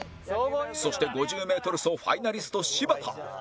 そして５０メートル走ファイナリスト柴田